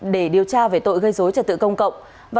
để điều tra về tội gây dối trật tự công cộng